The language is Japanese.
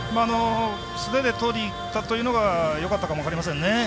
素手でとりにいったのがよかったのかも分かりません。